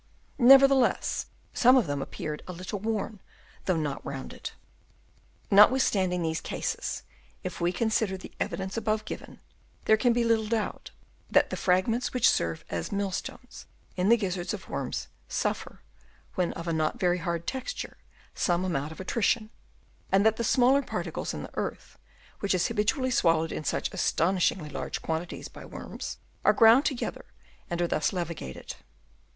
Nevertheless some of them appeared a little worn, though not rounded. Notwithstanding these cases, if we Chap. V. AND DENUDATION. 259 consider the evidence above given, there can be little doubt that the fragments, which serve as millstones in the gizzards of worms, suffer, when of a not very hard texture, some amount of attrition ; and that the smaller particles in the earth, which is habitually swallowed in such astonishingly large quantities by worms, are ground together and are thus levigated.